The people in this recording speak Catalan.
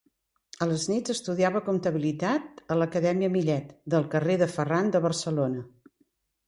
A les nits estudiava comptabilitat a l'Acadèmia Millet, del carrer de Ferran de Barcelona.